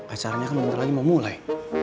acaranya kan bentar lagi mau mulai